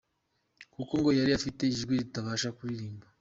Kuko ngo yari afite ijwi ritabasha kuririmba.